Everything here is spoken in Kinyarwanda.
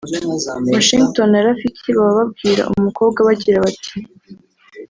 Washington na Rafiki baba babwira umukobwa bagira bati